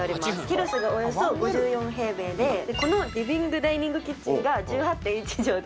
広さがおよそ５４平米でこのリビングダイニングキッチンが１８．１畳です